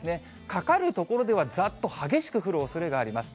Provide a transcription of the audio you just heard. かかる所では、ざっと激しく降るおそれがあります。